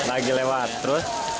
lagi lewat terus